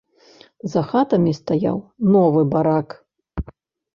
За хатамі стаяў новы барак.